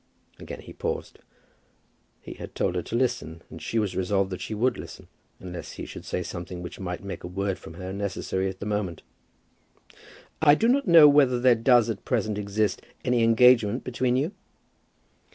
Again he paused. He had told her to listen, and she was resolved that she would listen, unless he should say something which might make a word from her necessary at the moment. "I do not know whether there does at present exist any engagement between you?"